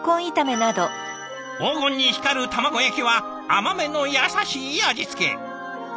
黄金に光る卵焼きは甘めの優しい味付け。